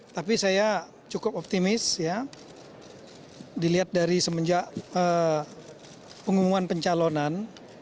tapi saya cukup optimis ya dilihat dari semenjak pengumuman pencalonan